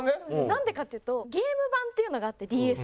なんでかっていうとゲーム版っていうのがあってＤＳの。